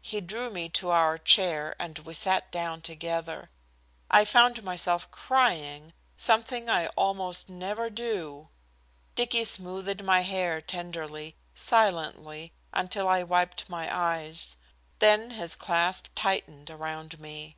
He drew me to our chair and we sat down together. I found myself crying, something I almost never do. Dicky smoothed my hair tenderly, silently, until I wiped my eyes. Then his clasp tightened around me.